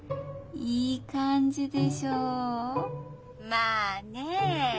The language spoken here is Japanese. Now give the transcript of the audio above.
まあねえ。